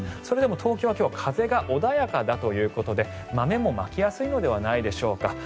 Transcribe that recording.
それでも東京は今日風が穏やかだということで豆もまきやすいのではないでしょうか。